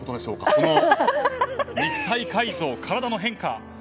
この肉体改造、体の変化。